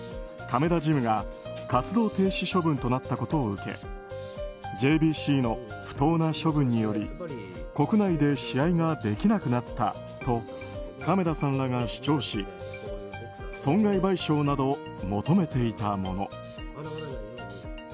亀田ジムが活動停止処分となったことを受けＪＢＣの不当な処分により国内で試合ができなくなったと亀田さんらが主張し損害賠償などを求めていたもの。